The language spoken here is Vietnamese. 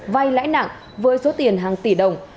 vay lãi nặng với số tiền hàng tỷ đồng